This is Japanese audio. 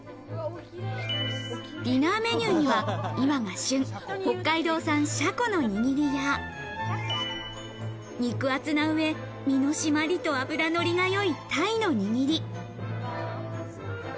ディナーメニューには今が旬、北海道産シャコの握りや肉厚な上、身の締まりと脂のりが良い、タイの握り。